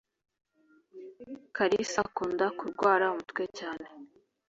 kalisa akunda kurwara umutwe cyane